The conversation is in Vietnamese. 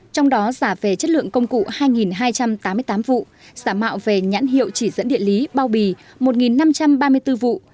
trong đó giả về chất lượng công cụ hai hai trăm tám mươi tám vụ giả mạo về nhãn hiệu chỉ dẫn địa lý bao bì một năm trăm ba mươi bốn vụ